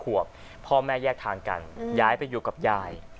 ขวบพ่อแม่แยกทางกันย้ายไปอยู่กับยาย